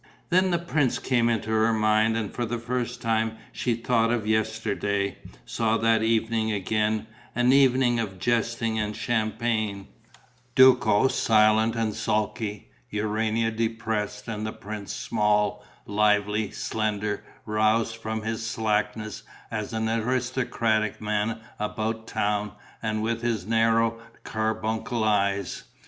Then the prince came into her mind and for the first time she thought of yesterday, saw that evening again, an evening of jesting and champagne: Duco silent and sulky, Urania depressed and the prince small, lively, slender, roused from his slackness as an aristocratic man about town and with his narrow carbuncle eyes.